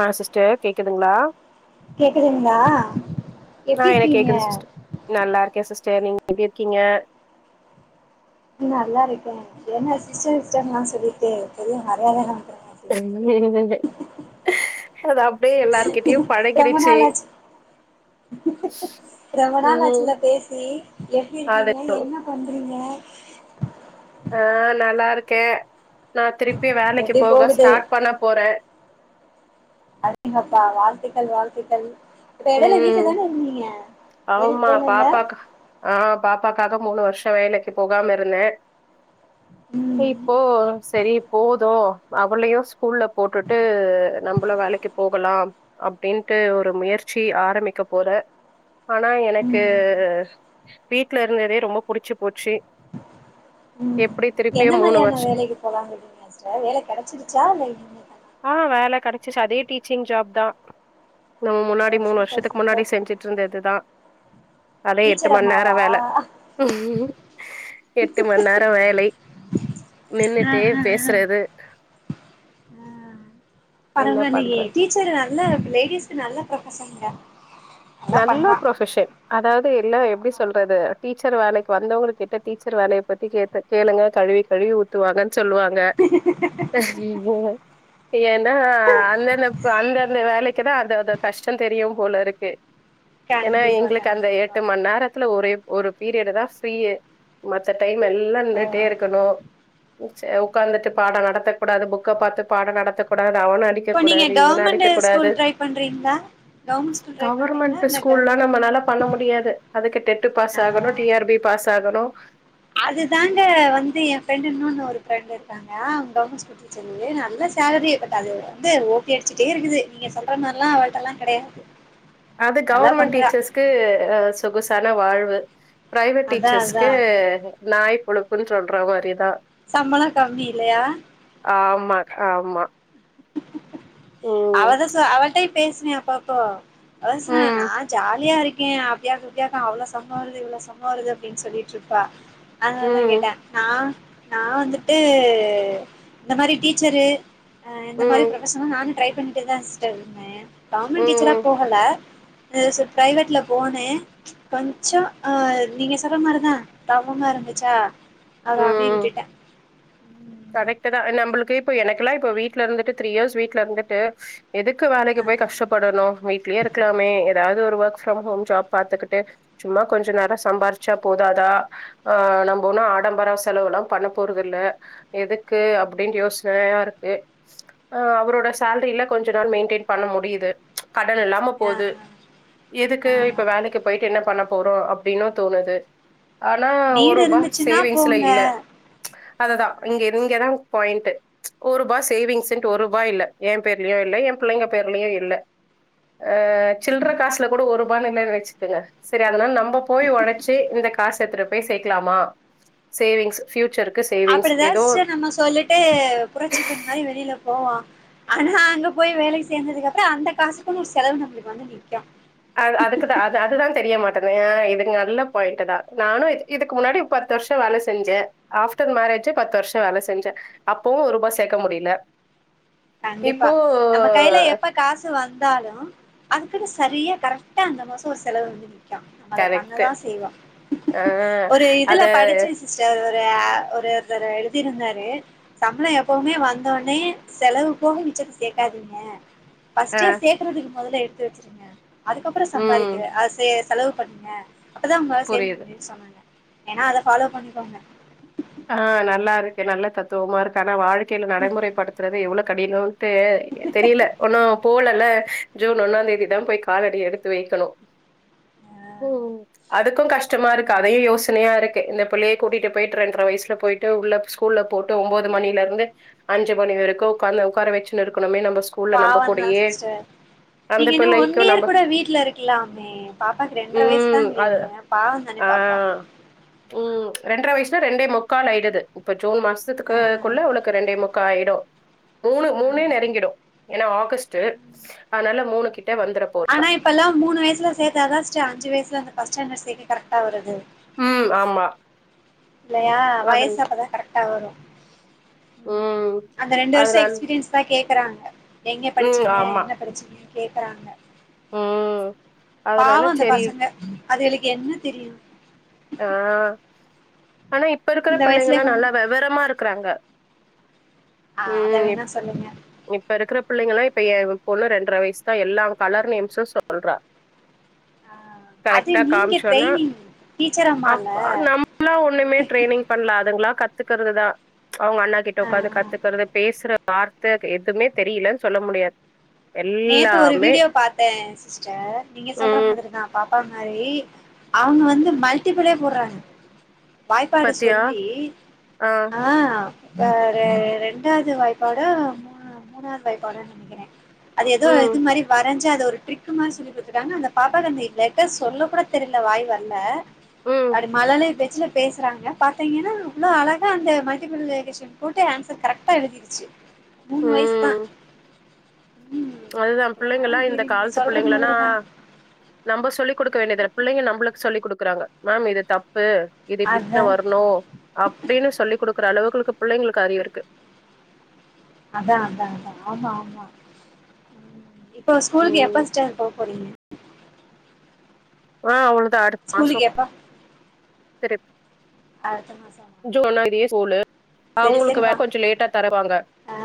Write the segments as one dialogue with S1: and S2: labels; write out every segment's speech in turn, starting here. S1: ஆ sister கேக்குதுங்ளா
S2: கேக்குதுங்ளா
S1: ஆ
S2: எப்டி
S1: எனக்கு
S2: இருக்கீங்க
S1: கேக்குது சிஸ்டர் நல்லா இருக்கே சிஸ்டர் நீங்க எப்டி இருக்கீங்க
S2: நல்லாருக்கேன் என்ன சிஸ்டர் சிஸ்டர்னு சொல்லிட்டு பெரிய மரியாதலாம் வந்துருக்கு
S1: அது அப்டியே எல்லாருகிட்டயு
S2: ரொம்ப
S1: பழகிடுச்சு
S2: நாளாச்சு ரொம்ப நாள்
S1: ம்
S2: ஆச்சில பேசி எப்டி
S1: அது
S2: இருக்கீங்க என்ன பண்றீங்க
S1: ஆ நல்லா இருக்கே நா திருப்பி வேலைக்கு
S2: எப்டி
S1: போக
S2: போகுது
S1: ஸ்டார்ட் பண்ண போற
S2: அடேங்கப்பா வாழ்த்துக்கள் வாழ்த்துக்கள் இப்ப எடயில வீட்ல
S1: ம்
S2: தானே இருந்தீங்க வேலைக்கு
S1: ஆமா
S2: போலல்ல
S1: பாப்பாக்கு ஆ பாப்பாக்காக மூணு வருஷம் வேலைக்கு போகாம இருந்தேன்
S2: ம்
S1: இப்போ செரி போது அவளயு ஸ்கூல்ல போட்டுட்டு நம்பள வேலைக்கு போகலாம் அப்டின்ட்டு ஒரு முயற் சி ஆரமிக்க போறே ஆனா எனக்கு
S2: ம்
S1: வீட்ல இருந்ததே ரொம்ப புடிச்சு போச்சு எப்டி திருப்பியு மூனு வர்ஷோ
S2: போலாங்கிறிங்ளா ஸ்டர் வேல கெடச்சிருச்சா இல்ல இனி
S1: ஆ வேல கெடச்சிச்சு அதே டீச்சிங் ஜாப் தா நம்ம முன்னாடி
S2: ஓ
S1: மூனு
S2: சூப்பர்
S1: வர்ஷத்துக்கு முன்னாடி
S2: சூப்பர்
S1: செஞ்சு ட்ருந்ததுதா அதே எட்டு
S2: டீச்சர்
S1: மண் நேர வேல
S2: அம்மாவா
S1: எட்டு மண் நேர வேலை
S2: ஆ
S1: நின்னுட்டே
S2: ஆ ஆ
S1: பேசுறது என்ன
S2: பரவால்லையே
S1: பண்றது
S2: டீச்சரு நல்ல லேடிஸ்க்கு நல்ல ப்ரொஃபசன்ங்க
S1: நல்ல ப்ரொஃபஷன் அதாவது எல்லா எப்டி சொல்றது டீச்சர் வேலைக்கு வந்தவங்களு கிட்ட டீச்சர் வேலய பத்தி கேட்டே கேளுங்க கழுவி கழுவி ஊத்துவாங்கன் சொல்வாங்க க [unintelligible] ஏன்னா அண்ணன ப அந்தப் ந்த வேலைக்குதா அந்த அத கஷ்டந் தெரியு போல இருக்கு ஏன்னா
S2: கண்டிப்பா
S1: எங்ளுக்கு அந்த
S2: கண்டிப்பா
S1: எட்டு மண் நேரத்துல ஒரே ஒரு பீரியடு தா ஃப்ரியே மத்த டைம் எல்லா
S2: ஓ
S1: நின்னுட்டே இருக்கணு செ உட்காந்துட்டு பாடொ நடத்தக்கூடாது புக்க பாத்து பாடொ நடத்தக்கூடாது அவன அடி
S2: இப்ப நீங்க கவர்மெண்ட்டு ஸ்கூல் ட்ரை பண்றீங்ளா கவ்ர்மெண்ட் ஸ்கூல் ட்ரை பண்றீங்களா
S1: கவர்மெண்ட்டு
S2: இல்ல க
S1: ஸ்கூல்லா நம்மனால பண்ண முடியாது அதுக்கு டெட்டு பாஸ்
S2: ஆ
S1: ஆகணு டிஆர் பி பாஸ் ஆகணு
S2: அது தாங்க வந்து எ ஃப்ரெண்டு இன்னொன்னு ஒரு ஃப்ரெண்டு இருக்காங்க அவுங்க கவர்மெண்ட் ஸ்கூல் செரி நல்ல சேல்ரி பட் அது வந்து ஓபி அடிச்சுட்டே இருக்குது நீங்க சொல்ற மார்ல்லா அவள்டெல்லா கெடையாது
S1: அது
S2: நல்லா
S1: கெவுர்மெண்ட்
S2: பண்றா
S1: டீச்சர்ஸ்க்கு சொகுசான வாழ்வு பிரைவேட்
S2: அதா அதா
S1: டீச்சர்ஸ்க்கு நாய் பொழப்புன்னு சொல்ற மாரிதா
S2: சம்பளொ கம்மி இல்லயா
S1: ஆமா ஆமா ம்.
S2: அவதா சொ அவள்டயு பேசுவே அப்ப அப்போ அவத சொன்ன நா
S1: ம்.
S2: ஜாலியா இருக்கே அப்டியாக்கு இப்டியாக்கு அவ்வளோ சம்ப்ளொ வருது இவ்ளோ சம்ப்ளொ வருது அப்டின்னு சொல்லிட்டு இருப்பா அதுனாலதா கேட்டே
S1: ம்.
S2: நா நா வந்துட்டு இந்த மாரி டீச்சரு அ இந்த மாரி
S1: ம்.
S2: ப்ரொஃபஷன்லா நானு ட்ரை பண்ணிட்டு தா ஸ்டர் இருந்தே கவுர்மெண்ட் டீச்சரா
S1: ம்.
S2: போகல [unintelligible] பிரைவேட்ல போனே கொஞ்சொ அ நீங்க சொல்ற மாரிதா தவமா இருந்துச்சா அத அப்டியே விட்டுட்டே
S1: கரெக்டுதா நம்பளுக்கு இப்ப எனக்குல்லா இப்ப வீட்ல இருந்துட்டு த்ரீ இயர்ஸ் வீட்ல இருந்துட்டு எதுக்கு வேலக்கி
S2: ஆ
S1: போய் கஷ்டப்படணு வீட்லயே இருக்கலாமே எதாவ்து ஒரு ஒர்க் ஃப்ரம் ஹோம் ஜாப் பாத்துக்கிட்டு சும்மா கொஞ்சொ நேரொ சம்பாறிச்சா போதாதா ஆ நம்ப ஒன்னு ஆடம்பர செலவுல்லா பண்ண போறதுல்ல எதுக்கு அப்டின் யோசனயா இருக்கு அ அவரோட சேல்ரில கொஞ்ச நாள் மெயின்டெய்ன் பண்ண முடியிது கடன் எல்லா ம்மா
S2: ஆ
S1: போது
S2: ஆ
S1: எதுக்கு
S2: ஆ
S1: இப்ப வேலக்கி போயிட்டு என்ன பண்ண போறோ அப்டின்னு தோணுது ஆனா
S2: நீடு
S1: ஒருபா
S2: இருந்துச்சுன்னா
S1: சேவிங்ஸ்ல இல்ல
S2: போங்க
S1: அததா இங்கெ இங்கெதா பாயிண்ட்டு ஒருபா சேவிங்ஸ்ன்ட்டு ஒருபா இல்ல ஏ பேர்லயு இல்ல எ புள்ளைங்க பேர்லயு இல்ல அ சில்ற காசுல கூட ஒருபானு இல்லன்னு வெச்சுக்கங்க செரி அதுனால நம்ம நம்ம போய் ஒழச்சி இந்த காசு எத்துட்டு போய் சேக்லாமா சேவிங்ஸ் பியூச்சருக்கு சேவிங்ஸ் ஏதோ
S2: ட்டு புரட்சி பெண் மாரி வெளில போவா ஆனா அங்க போய் வேலைக் சேந்ததுக்கப்றோ அந்த காசுக்குன்னு ஒரு செலவு நம்பளுக்கு வந்து நக்கு
S1: அத் அதுக்குதா அது அதுதா தெரிய மாட்டன்து எனா இது நல்ல பாயிண்ட் தா நானு இதுக்கு முன்னாடி பத்து வர்ஷோ வேல செஞ்சே ஆஃப்டர் மேரேஜே பத்து வருஷோ வேல செஞ்ச அப்போவு ஒரூபா சேக்க முடில
S2: கண்டிப்பா நம்ம கைல்ல எப்ப காசு வந்தாலு அதுக்குனு சரியா கரெக்டா அந்த மாச ஒரு செலவு வந்து க்கு அத
S1: கரெக்ட்டு.
S2: பண்ணதா செய்வோ
S1: அ
S2: ஒரு
S1: அது
S2: இதுல படிச்ச சிஸடர் ஒரு ஒருத்தர் எழுதிருந்தாரு சம்பளம் எப்போவுமே வந்தோனே செலவு போக மிச்சத்த சேக்காதீங்க
S1: ஆ
S2: ஃபஸ்ட்டே சேக்கறதுக்கு மொதல்ல எடுத்து வச்சுருங்க அதுக்கப்றோ
S1: ம்
S2: சம்பாதிக்கிற அது செ செலவு பண்ணுங்க அப்பதா உங்களாள சேமிக்க
S1: புரியுது
S2: முடியு சொன்னாங்க வேனா அத ஃபாலோ பண்ணிக்கோங்க
S1: ஆ நல்லா இருக்கு நல்ல தத்துவமா இருக்கு ஆனா வாழ்க்கைல நடைமுறைப்படுத்துறது எவ்ளோ கடினோன் தெ தெரில ஒன்னு போல்லல ஜூன் ஒன்னாந் தேதிதா போய் காலடி எடுத்து வைக்கணு
S2: ஆ
S1: ம் அதுக்கு கஷ்டமா இருக்கு
S2: ம்
S1: அதே யோசனயா இருக்கு இந்த புள்ளிய கூட்டிட்டு போய் ரெண் ன்ற வயசுல போய்ட்டு உள்ள ஸ்கூல்ல போட்டு ஒன்போது மணிலேருந்து அஞ்சு மணி வரைக்கு உக்காந்து உக்கார வச்சுண்ணு இருக்கனுமே நம்ப
S2: பாவந்தா சிஸ்டர்
S1: அந்த
S2: நீங்க இன்னு ஒன்
S1: பிள்ளைக்கு
S2: இயர்
S1: நம்ம
S2: கூட வீட்ல இருக்கலாமே பாப்பாக்கு ரெண்டர வயசு
S1: ம் அது
S2: தாங்கிறிங்க பாவந்தானே பாப்பா
S1: ஆ ம் ரெண்டர வயசுனா ரெண்டே முக்காலாயிடுது இப்ப ஜூன்
S2: ஆ ஆ
S1: மாசத்துக்குகுள்ள உனக் ரெண்டே முக் காயிடு மூணு
S2: ஆ
S1: மூனே நெருங்கிடு ஏனா ஆகஸ்ட்டு அனால மூணு கிட்ட வந்துறு
S2: ஆனா இப்பல்லா மூணு வயசுல சேத்தாதா சிஸ்டர் அஞ்சு வயசுலேந்து ஃபஸ்ட் ஸ்டாண்டட் சேக்க கரெக்டா வருது
S1: ம் ஆமா
S2: இல்லையா
S1: அதன்
S2: வயசு அப்பதா கரெக்டா வரு
S1: ம்
S2: அந்த ரெண்டு வர்ஷோ
S1: அதனால
S2: எக்ஸ்பீரியன்ஸ் தா கேக்கறாங்க எங்க
S1: ம்
S2: படிச்சீங்க
S1: ஆமா
S2: என்ன படிச்சீங்க கேக்கறாங்க
S1: ம்
S2: பாவ
S1: அதனால
S2: அந்த
S1: சரி
S2: பசங்க அதுகளுக்கு என்ன தெரியு
S1: ஆ ஆனா இப்ப இருக்குற
S2: இந்த வயசுல
S1: பிள்ளைங்கலா
S2: இப்ப
S1: நல்லா வெவரமா இருக்கறாங்க
S2: ஆ அத
S1: ம் இப்
S2: வேணா சொல்லுங்க
S1: இப்ப இருக்குற பிள்ளைங்கலா இப்ப ஏ பொண்ணு ரெண்டர வயசு தா எல்லா கலர் நேம்சு சொல்றா
S2: ஆ அது
S1: கரெட்டா
S2: நீங்க
S1: காம்ச்சோன
S2: ட்ரைனிங் டீச்சர் அம்மா இல்ல
S1: அப்ப நாமல்லா ஒண்ணுமே ட்ரைனிங் பண்ல அதுங்களா கத்துக்கறது தா அவுங்க அண்ணா கிட்ட
S2: ஆ
S1: உட்ககாந்து கத் கத்துக்கறது பேசுற வார்த்த எதுமே தெரிலன் சொல்ல முடியாது
S2: நேத்து ஒரு
S1: எல்லாமே
S2: வீடியோ பாத்த சிஸ்டர் நீங்க சொல்ற
S1: ம்
S2: மாதிரிதா பாப்பா மாரி அவங்க வந்து மல்டிபிளே போட்றாங்க வாய்ப்பாடு
S1: பத்தியா
S2: சொல்லி ஆ ஆ ரெ ரெண்டாது வாய்ப்பாடோ மூணா மூணாது வாய்ப்பாடோ நெனக்கிற அது ஏதோ
S1: ம்
S2: இது மாரி வரைஞ் சி அது ஒரு ட்ரிக்கு மாரி சொல்லி க குடுத்துருக்காங்க அந்த பாப்பாக்கு அத சொல்ல கூட தெரில வாய் வர்ல
S1: ம்
S2: அப்டி மழலை பேச்சுல பேசுறாங்க பாத்தீங்கன்னா அவ்ளோ அழகா அந்த மல்டிபுள் எடிஷன் போட்டு ஆன்சர் கரெக்டா எழுதிடுச்சு மூணு வயசு தா
S1: ம் அதுதா
S2: புள்ளைங்களா
S1: பிள்ளைங்கல்லா இந்த
S2: அப்டி நீங்க
S1: காலத்து
S2: சொல்ற
S1: பிள்ளைங்கலல்லா
S2: மாதிரிதா
S1: நம்ம சொல்லி கொடுக்க வேண்டியதுல பிள்ளைங்க நம்மளுக்கு சொல்லி் கொடுக்குறாங்க மேம் இது தப்பு இது இப்டித்தா
S2: அதா
S1: வரணு அப்டின்னு சொல்லி் குடுக்குற அளவுகளுக்கு பிள்ளைங்களுக்கு அறிவு இருக்கு
S2: அதா அதா அதா ஆமா ஆமா இப்போ ஸ்கூலுக்கு
S1: ம்
S2: எப்ப சிஸ்டர் போக போறீங்க
S1: ஆ அவ்ளோதா அடுத்
S2: ஸ்கூலுக் கேப்பா
S1: சிறப்பு
S2: அடுத்த மாசோ
S1: ஜூன் னா தியே ஸ்கூலு அவங்ளுக்கு வேற
S2: வா
S1: கொஞ்ச லேட்டா தெரபாங்க
S2: ஆ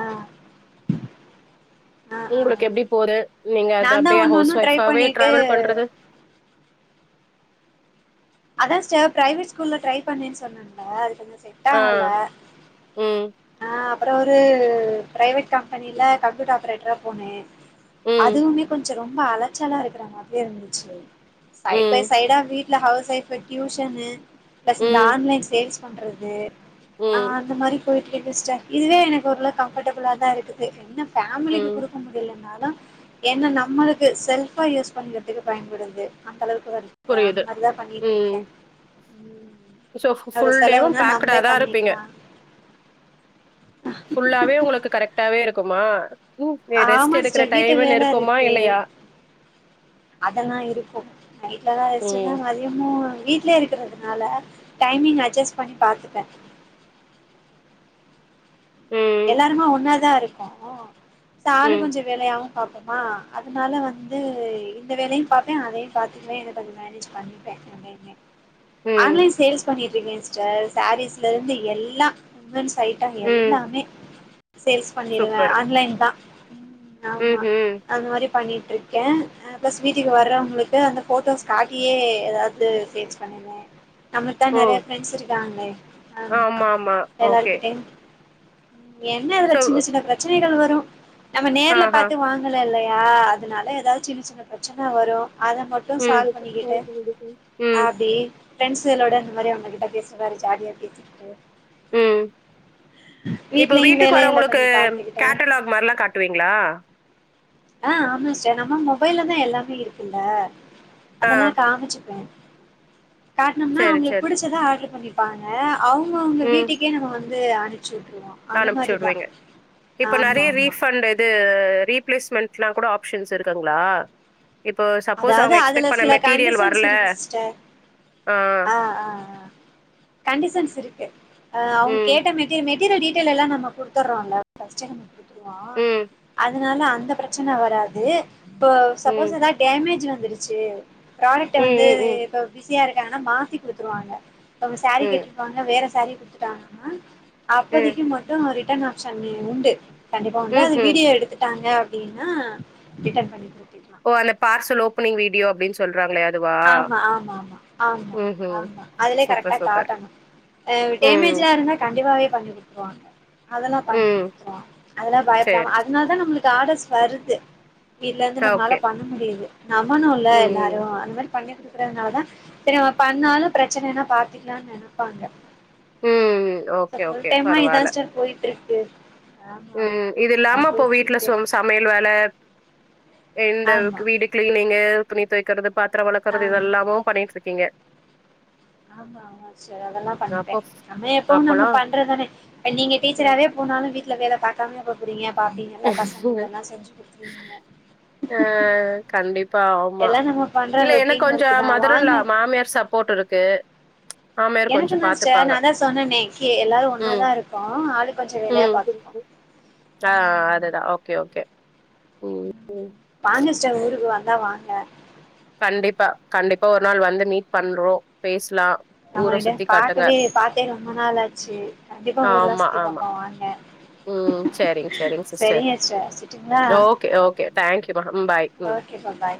S2: ஆ ஆ
S1: உங்களுக்கு எப்டி போவுது நீங்க அது
S2: நான் தா
S1: அப்டியே
S2: ஒன்னு
S1: ஹவுஸ்
S2: ஒன்னு ட்ரை
S1: ஒய்ஃபாவே
S2: பண்ணிட்டு
S1: ட்ரெவல் பண்றது
S2: அதா சிஸ்டர் ப்ரைவேட் ஸ்கூல்ல ட்ரை பண்ணேன்னு சொன்னேன்ல அதுக்காக
S1: ஆன் ம்
S2: ஆ அப்புற ஒரு ப்ரைவேட் கம்பெனில கம்ப்யூட்டர் ஆப்ரேட்டரா போனே
S1: ம்
S2: அதுவுமே கொஞ்ச ரொம்ப அலைச்சலா இருக்கிற மாரி இருந்துச்சு சைட் பை
S1: ம்
S2: சைடா வீட் ல ஹவுஸ் ஒய்ஃபூ டியூஷனு ப்ளஸ்
S1: ம்
S2: ஆன்லைன் சேல்ஸ் பண்றது ஆ
S1: ம்
S2: அந்த மாரி போயிட்டு இருக்கு சிஸ்டர் இதுவே எனக்கு ஒர் அளவுக்கு கம்ஃபர்டபிளா தா இருக்குது என்னப் ஃபேமிலிக்கு
S1: ம்
S2: குடுக்க முடியலனாலு ஏன்னா நம்மளுக்கு செல்ஃபா யூஸ் பண்ணிக்றதுக்கு பயன்படுது அந்த அளவுக்கு வ தா
S1: புரியுது
S2: அதுதா பண்ணிட்டு
S1: ம்
S2: இருக்கே ம்
S1: சோ ஃபு
S2: ஒரு
S1: ஃபுல் டேவும்
S2: செலவுனா
S1: பேக்டா
S2: நம்மளே
S1: தான் இருப்பீங்க.
S2: பண்ணிக்கலா
S1: ஃபுல்லாவே உங்களுக்கு கரெக்டாவே இருக்குமா ம்
S2: ஆமா
S1: ரெஸ்ட் எடுக்குற
S2: சிஸ்டர் வீட்டு
S1: டைமுன்னு
S2: வேல
S1: இருக்குமா
S2: இருக்கு
S1: இல்லையா?
S2: அதெலா இருக்குன் நைட்ல தா ரெஸ்ட்டுனா
S1: ம்
S2: நாளி [unintelligible] வீட்லயே இருக்கறதுனால டைமிங் அட்ஜஸ்ட் பண்ணி பாத்துப்பே
S1: ம்
S2: எல்லாருமா ஒன்னாதா இருக்கோ ஆளுக்
S1: ம்
S2: கொஞ்சோ வேலையாவும் பாப்போமா அதனால வந்து இந்த வேலையு பாப்பே அதையு பாத்துக்கவே எதோ கொஞ்சோ மேனேஜ் பண்ணிப்பே [unintelligible]
S1: ம்
S2: ஆன்லைன் சேல்ஸ் பண்ணிட்டு இருக்கே சிஸ்டர் சேரீஸ்ல இருந்து எல்லா உமன்ஸ் ஐட்டம்
S1: ம்
S2: எல்லாமே சேல்ஸ் பண்ணிருவே
S1: சூப்பர்.
S2: ஆன்லைன் தா ம் ஆமா
S1: ம்ஹ்ம்.
S2: அந்த மாரி பண்ணிட்டு இருக்கேன் ப்ளஸ் வீட்டுக்கு வர்றவங்களுக்கு அந்த போட்டோஸ் கட்டியே ஏதாவது சேல்ஸ் பண்ணிடுவே நம்மக்தா
S1: ஓ!
S2: நெறையா ப்ரெண்ட்ஸ் இருக்காங்களே ஆமா
S1: ஆமாமா. ஓகே.
S2: எல்லார்கிட்டயு ம் என்ன இதுல
S1: சோ
S2: சின்ன சின்ன ப்ரச்சனைகள் வருன் நம்ம நேர்ல
S1: ஆஹா.
S2: பாத்து வாங் லல்லையா அதனால ஏதாது சின்ன சின்ன ப்ரச்சன வருன் அத மட் டுன்
S1: ம்.
S2: சால்வ் பண்ணிக்கிட்டு
S1: ம்.
S2: அப்டியே ஃப்ரெண்டஸ்களோட அந்த மாரி உங்க கிட்ட பேசற மாரி ஜாலியா பேசிக்கிட்டு
S1: ம் இப்ப
S2: வீட்லயு
S1: வீட்டுக்கு
S2: வேலைகள
S1: வரவங்களுக்கு
S2: கொஞ்சோ பாத்துக்கிட்டு
S1: கேட்டலாக் மார்லா காட் டுவீங்களா
S2: ஆ ஆமா சிஸ்டர் நம்ம மொபைல்லதா எல்லாமே இருக்குல்ல
S1: ஆ.
S2: அதெல்லா காமுச்சிப்பே காட்டனும்னா
S1: சரி,
S2: அவங்களுக்கு
S1: சரி.
S2: புடிச்சதாஆர்டர் பண்ணிப்பாங்க அவங்கவுங்க வீட்டுக் கே நம்ம வந்து அணிச்சுட்ருவோ
S1: அனுப்பிச்சி உடுவிங்க இப்ப நெறைய
S2: ஆமா
S1: ரீஃபண்ட் டு ரீப்ளேஸ்மெண்ட்ல்லான் கூட ஆப்ஷன்ஸ் இருக்குங்களா இப்போ சப்போஸ்
S2: அதாவது
S1: அவங்க
S2: அதுல
S1: எக்ஸ்பெக்ட் பண்ண
S2: சில
S1: மெட்டீரியல்
S2: கண்டிஷன்ஸ்
S1: வர்ல
S2: இருக்கு சிஸ்டர் ஆ ஆ ஆன் கண்டிசன்ஸ் இருக்கு அவங்க
S1: ம்.
S2: கேட்ட மெட்டி மெட் சீரியல் டிட்டைல் எல்லா நம்ம குடுத்துற்றோல்ல பஃஸ்ட்டே நம்ம குடுத்துருவோ அது
S1: ம்.
S2: அதனால அந்த பிரச்சன வராது ப்ப
S1: ம்.
S2: சப்போஸ் எதாவு டேமேஜ் வந்துருச்சி ப்ராடக்ட்ட
S1: ம்.
S2: வந்து
S1: ம். ம்.
S2: இப்ப பிஸியா இருக்காங்கன்னா மாத்தி குடுத்துருவாங்க ப்பவ் சேரீ
S1: ம்.
S2: கேட்டிருப்பாங்க வேற சேரீ குடுத்துட்டாங்கன்னா
S1: ம்.
S2: அப்போதிக்கு மொத் டு ரிட்டன் ஆப்ஷன் உண்டு கண்டிப்பா உண்டு அது
S1: ம்ஹ்ம்.
S2: வீடியோ எடுத்துட்டாங்க அப் ப்டின்னா ரிட்டன் பன்னிப்ப
S1: ஓ அந்தபார்ல் ஓப்பனி்ங் வீடியோ அப்டின்
S2: ஆம்மா ஆம்மா ஆம்மா ஆம்மா
S1: ம்ஹ்ம்.
S2: ஆம்மா அதுலே
S1: சூப்பர்,
S2: கரெக்டா
S1: சூப்பர்.
S2: காட்டணு ஆ
S1: ம்.
S2: டேமேஜ்ஜா இருந்தா கண்டிப்பாவே பண்ணி குடுத்துருவாங்க அதுல்லா பண்ணிக்
S1: ம்.
S2: குடுத்துரவோ அதெல்லா பயப்படாம
S1: சரி.
S2: அதுனால் தா நம்ப்ளுக்கு ஆர்டர்ஸ்வருது இல்லருந்து நம்மளால
S1: ஓகே.
S2: பண்ண முடியுது நம்மனுல்ல
S1: ம்.
S2: எல்லாரு அந்மாரி பண்ணி குடுக்கறதுனாலதா தெரியு இவுங்க பண்ணாலு பிரச்சனன்னா பாத்துக்கலான்னு நெனப்பாங்க
S1: உம்
S2: சோ ஃபுல் டைமு இதா சிஸ்டர் போயிட்டுருக்கு ஆம்மா ஆம்மா
S1: ம் இது
S2: எல்லா
S1: இல்லாம இப்போ வீட்ல
S2: பொயிட்ருக்கு
S1: சோ சமையல் வேல இந்த
S2: ஆமா
S1: வீடு கிளீனிங்கு துணி துவைக்கிறது பாத்திரொ வளக்குறது
S2: ஆமா
S1: இதெல்லாமு பண்ணிட்ருக்கீங்க
S2: ஆம்மா ஆம்மா சிஸ்டர் அதெல்லா பண்ணிப்ப நம்ம எப்பவு
S1: அப்பல்லா
S2: நம்மபண்றதானே நீங்க டீச்சராவே போனாலு வீட்டல வேல பாக்காம போப்போறீங்க பாப்பீங்கல்ல பசங்களுகெல்லா செஞ்சி குடுத்துறீங்க
S1: அ கண்டிப்பா ஆம்மா
S2: எல்லா நம்ம பண்ற
S1: இல்ல எனக்
S2: ரொட்டீன்
S1: கொஞ்சொ
S2: ஒர்க்கு தா வாங்க
S1: மதர்ன்லா மாமியார் சப் போட் இருக்கு மாமியார் கொஞ்சோ
S2: எனக்குந்தா சிஸ்டர்
S1: பாத்துப்பாங்க
S2: நாந்தா சொன்னனே கே எல்லாரு
S1: ம்
S2: ஒன்னாதா இருக்கோ ஆளு கொஞ்சொ வேலைய பாத்
S1: அ அ அதுதா ஓக்கே ஓக்கே ம்
S2: வாங்க சிஸ்டர் ஊருக்குவந்தா வாங்க
S1: கண்டிப்பா கண்டிப்பா ஒரு நாள் வந்து மீட் பண்றோ பேஸ்லா
S2: நம்ம ரெண்டு பாக்கவே பாத்தே ரொம்ப நாளாச்சு கண்டிப்பா ஊருல்லா
S1: ஆமா
S2: சுத்தி
S1: ஆமா
S2: பாப்போ வாங்க
S1: ம் சரிங் சரிங் சிஸ்டர்
S2: சரிங்க வச்சுட்டுங்களா
S1: ஓக்கே ஓக்கே தேங்க்யூ பாய் ம்
S2: கேப்பா பாய்